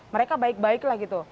mereka baik baik lah gitu